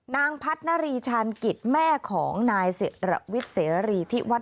นางพัฒนารีชาญกิจแม่ของนายวิทย์เสรีที่วัด